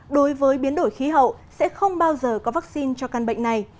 đối với biến đổi khí hậu sẽ không bao giờ có vaccine cho căn bệnh này